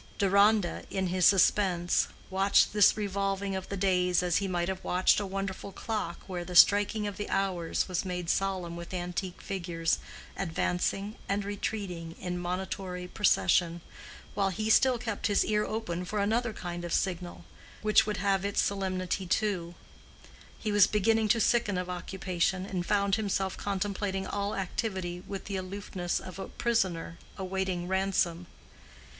Deronda, in his suspense, watched this revolving of the days as he might have watched a wonderful clock where the striking of the hours was made solemn with antique figures advancing and retreating in monitory procession, while he still kept his ear open for another kind of signal which would have its solemnity too: He was beginning to sicken of occupation, and found himself contemplating all activity with the aloofness of a prisoner awaiting ransom.